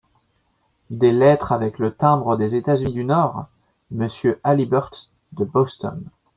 Des lettres avec le timbre des États-Unis du Nord! « Monsieur Halliburtt, de Boston !